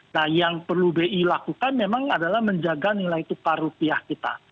nah yang perlu bi lakukan memang adalah menjaga nilai tukar rupiah kita